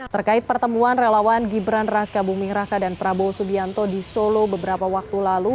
terkait pertemuan relawan gibran raka buming raka dan prabowo subianto di solo beberapa waktu lalu